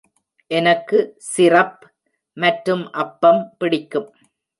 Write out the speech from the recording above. எனக்கு சிரப் மற்றும் அப்பம் பிடிக்கும்.